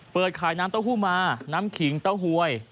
เปิดขายน้ำเต้าหู้มาน้ำขิงเต้าหวย